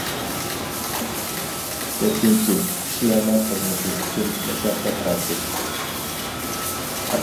يەتتىنچى، كىشىلەرنىڭ خىزمىتى ئۈچۈن مۇشەققەت تارتىش.